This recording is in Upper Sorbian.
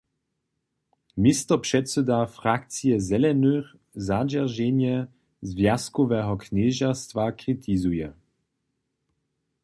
Městopředsyda frakcije Zelenych zadźerženje zwjazkoweho knježerstwa kritizuje.